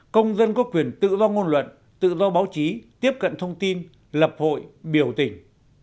công dân có quyền tự do ngôn luận tự do báo chí tiếp cận thông tin lập hội biểu tình